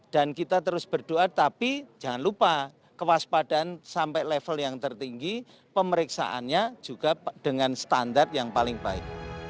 dan kita terus berdoa tapi jangan lupa kewaspadaan sampai level yang tertinggi pemeriksaannya juga dengan standar yang paling baik